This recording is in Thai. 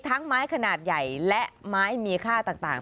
ไม้ขนาดใหญ่และไม้มีค่าต่าง